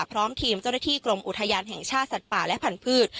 พร้อมทีมเจ้าหน้าที่กรมอุทยานแห่งชาติสัตว์ป่าและพันธุ์